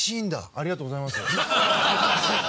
ありがとうございます。